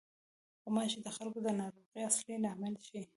غوماشې د خلکو د ناروغۍ اصلي لامل شي.